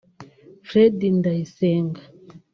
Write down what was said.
Fredy Ndayisenga